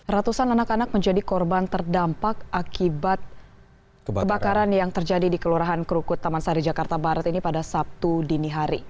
ratusan anak anak menjadi korban terdampak akibat kebakaran yang terjadi di kelurahan krukut taman sari jakarta barat ini pada sabtu dini hari